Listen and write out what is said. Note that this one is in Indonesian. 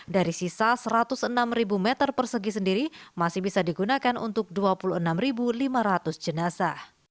dari sisa satu ratus enam meter persegi sendiri masih bisa digunakan untuk dua puluh enam lima ratus jenazah